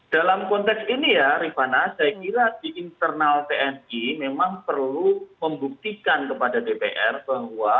dalam konteks ini ya rifana saya kira di internal tni memang perlu membuktikan kepada dpr bahwa